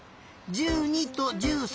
１２と１３